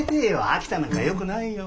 秋田なんかよくないよ。